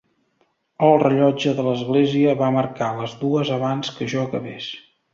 El rellotge de l'església va marcar les dues abans que jo acabés.